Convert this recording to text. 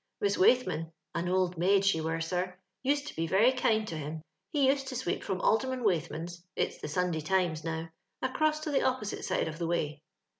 Miss Waithman (on old maid she were, sir) used to be very kind to him. He used to sweep from Alderman Waithman's (it's the Sunday Tlmt» now) across to the opposite side of the way.